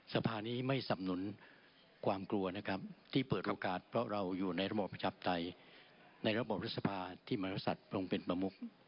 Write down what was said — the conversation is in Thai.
สภานี้ไม่สำนุนความกลัวนะครับที่เปิดโอกาสเพราะเราอยู่ในระบอบประชาปไตยในระบอบรัฐสภาที่มรษัตริย์ทรงเป็นประมุก